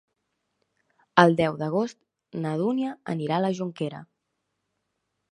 El deu d'agost na Dúnia anirà a la Jonquera.